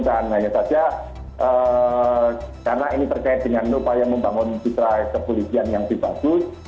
dan hanya saja karena ini terkait dengan upaya membangun fitra kegugian yang lebih bagus